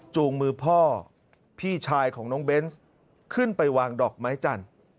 จูงมือพ่อพี่ชายของน้องเบนส์ขึ้นไปวางดอกไม้จันทร์